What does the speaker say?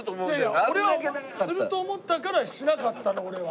いやいや俺はすると思ったからしなかったの俺は。